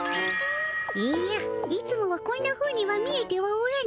いやいつもはこんなふうには見えてはおらぬ。